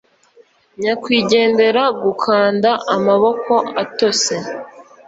nyakwigendera gukanda amaboko atose